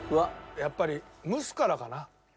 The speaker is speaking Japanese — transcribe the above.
やっぱり蒸すからかな？